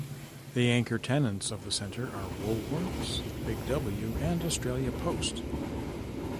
The anchor tenants of the centre are Woolworths, Big W and Australia Post.